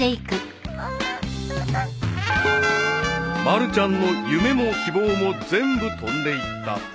［まるちゃんの夢も希望も全部飛んでいった］